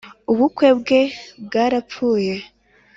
ubukwe bwe bwara pfuye